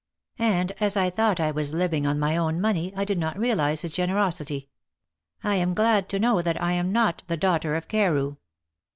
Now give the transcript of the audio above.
And, as I thought I was living on my own money, I did not realize his generosity. I am glad to know that I am not the daughter of Carew."